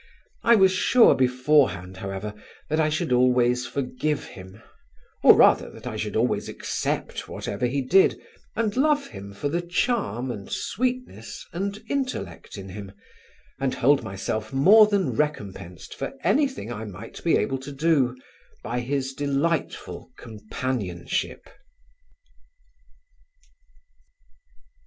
I was sure beforehand, however, that I should always forgive him, or rather that I should always accept whatever he did and love him for the charm and sweetness and intellect in him and hold myself more than recompensed for anything I might be able to do, by his delightful companionship.